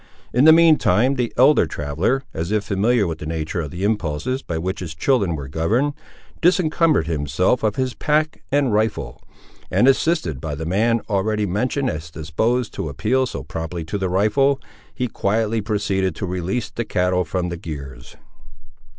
In the mean time, the elder traveller, as if familiar with the nature of the impulses by which his children were governed, disencumbered himself of his pack and rifle, and, assisted by the man already mentioned as disposed to appeal so promptly to the rifle, he quietly proceeded to release the cattle from the gears.